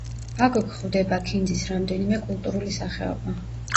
აქ გვხვდება ქინძის რამდენიმე კულტურული სახეობა.